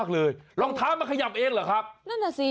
เหมือนลองเง้ามันขยับพูดพวกนี้